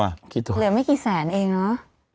เหลือไม่กี่แสนเองเนอะ